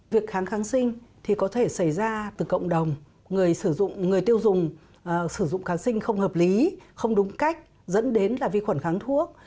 việc kháng kháng sinh thì có thể xảy ra từ cộng đồng người sử dụng người tiêu dùng sử dụng kháng sinh không hợp lý không đúng cách dẫn đến là vi khuẩn kháng thuốc